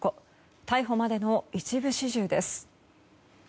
逮捕までの一部始終です。